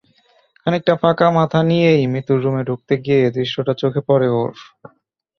খানিকটা ফাঁকা মাথা নিয়েই মিতুর রুমে ঢুকতে গিয়ে দৃশ্যটা চোখে পরে ওর।